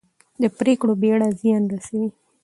د پرېکړو بېړه زیان رسوي